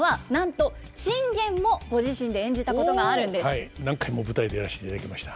はい何回も舞台でやらせていただきました。